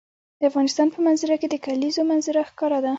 د افغانستان په منظره کې د کلیزو منظره ښکاره ده.